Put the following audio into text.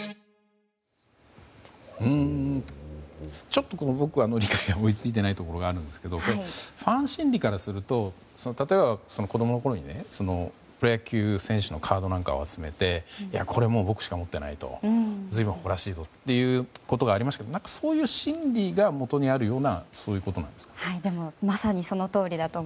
ちょっと僕、理解が追いついていないところがあるんですけどファン心理からすると例えば、子供のころにねプロ野球選手のカードなんかを集めてこれ、僕しか持っていない随分誇らしいぞということがありましたけどそういう心理がもとにあるような。